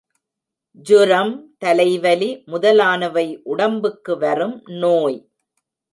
ஜூரம், தலை வலி முதலானவை உடம்புக்கு வரும் நோய்.